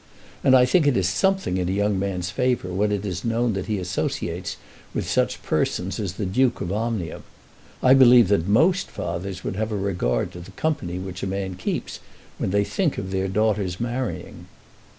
And I think it is something in a young man's favour when it is known that he associates with such persons as the Duke of Omnium. I believe that most fathers would have a regard to the company which a man keeps when they think of their daughter's marrying."